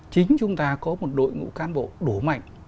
chính chúng ta có một đội ngũ cán bộ đủ mạnh